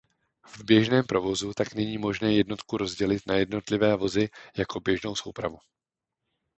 V běžném provozu tak není možné jednotku rozdělit na jednotlivé vozy jako běžnou soupravu.